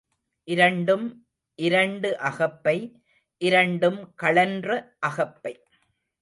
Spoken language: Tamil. இரண்டும் இரண்டு அகப்பை இரண்டும் கழன்ற அகப்பை.